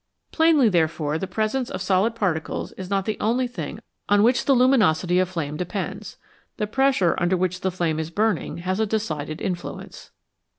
Plainly, therefore, the presence of solid particles is not the only thing on which the luminosity of flame 159 FLAME: WHAT IS IT? depends ; the pressure under which the flame is burning has a decided influence.